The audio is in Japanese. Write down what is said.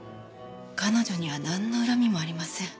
彼女にはなんの恨みもありません。